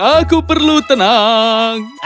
aku perlu tenang